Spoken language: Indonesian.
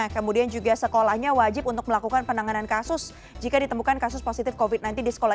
kemudian juga sekolahnya wajib untuk melakukan penanganan kasus jika ditemukan kasus positif covid sembilan belas di sekolah